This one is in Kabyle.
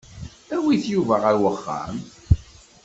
Awit Yuba ɣer uxxam.